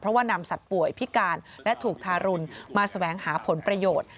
เพราะว่านำสัตว์ป่วยพิการและถูกทารุณมาแสวงหาผลประโยชน์